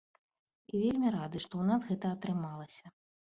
І вельмі рады, што ў нас гэта атрымалася.